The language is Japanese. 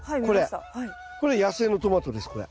これ野生のトマトですこれ。